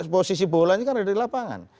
posisi bolanya kan ada di lapangan